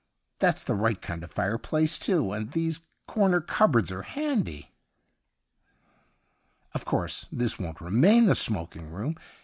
That's the right kind of fireplace, too, and these corner cupboards are handy.' ' Of course this won't remain the smoking room.